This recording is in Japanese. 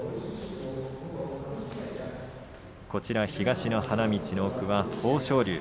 東の花道の奥は豊昇龍